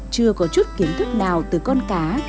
chưa có chút kiến thức nào từ con cá